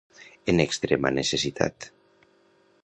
En extrema necessitat.